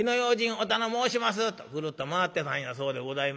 おたのもうしますとぐるっと回ってたんやそうでございます。